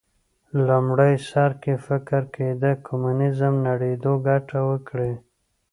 لومړي سر کې فکر کېده کمونیزم نړېدو ګټه وکړي